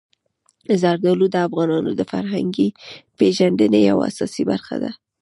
زردالو د افغانانو د فرهنګي پیژندنې یوه اساسي برخه ده.